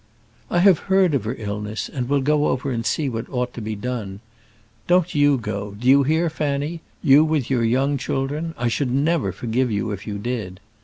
"I have heard of her illness, and will go over and see what ought to be done. Don't you go, do you hear, Fanny? You with your young children! I should never forgive you if you did."